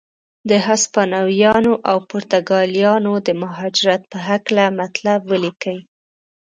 د هسپانویانو او پرتګالیانو د مهاجرت په هکله مطلب ولیکئ.